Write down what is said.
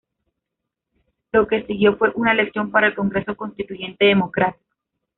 Lo que siguió fue una elección para el Congreso Constituyente Democrático.